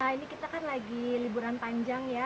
ini kita kan lagi liburan panjang ya